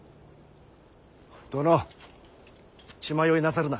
殿血迷いなさるな。